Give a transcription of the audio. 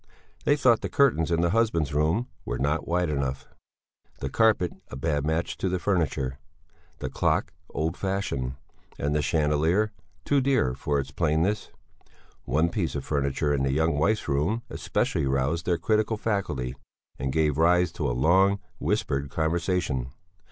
They thought the curtains in the husband's room were not wide enough, the carpet a bad match to the furniture, the clock old fashioned, and the chandelier too dear for its plainness. One piece of furniture in the young wife's room especially roused their critical faculty, and gave rise to a long, whispered conversation.